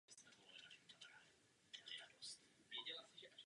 Zároveň pracuje jako recepční na oční klinice.